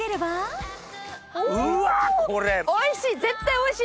おいしい！